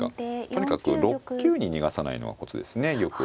とにかく６九に逃がさないのがコツですね玉は。